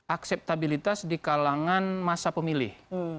akseptabilitas di kalangan masa pemilih